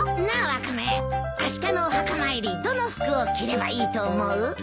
なあワカメあしたのお墓参りどの服を着ればいいと思う？